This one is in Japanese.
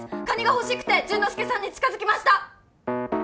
カニが欲しくて潤之介さんに近づきました